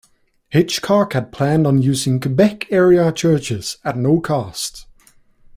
Hitchcock had planned on using Quebec-area churches at no cost.